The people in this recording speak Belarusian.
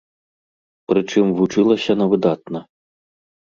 Прычым вучылася на выдатна.